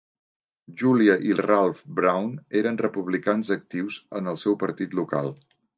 Julia i Ralph Brown eren republicans actius en el seu partit local.